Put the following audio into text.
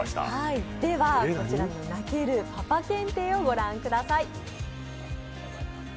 こちらの泣けるパパ検定をご覧ください。